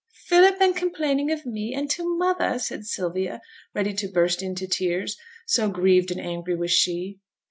'Philip been complaining of me, and to mother!' said Sylvia, ready to burst into tears, so grieved and angry was she.